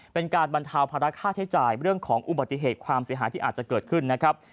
เป็นการบรรเทาภาระค่าใช้จ่ายเรื่องของอุบัติเหตุความเสียหายที่อาจจะเกิดขึ้นนะครับ